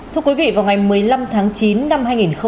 thưa quý vị vào ngày một mươi năm tháng chín năm hai nghìn hai mươi ba